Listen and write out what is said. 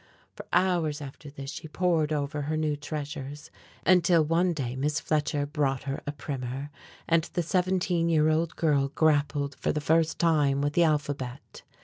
For hours after this she pored over her new treasures, until one day Miss Fletcher brought her a primer, and the seventeen year old girl grappled for the first time with the alphabet.